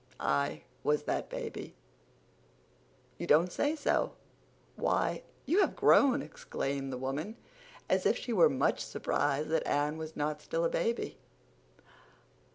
"I was that baby." "You don't say so! Why, you have grown," exclaimed the woman, as if she were much surprised that Anne was not still a baby.